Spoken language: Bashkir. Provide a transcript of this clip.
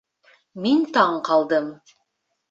Мин таң ҡалдым.